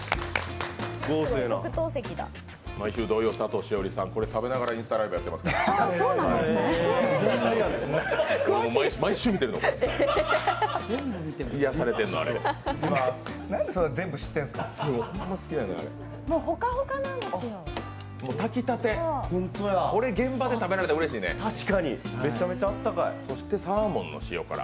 毎週土曜、佐藤栞里さん、これ、食べながらインスタライブやってましたから。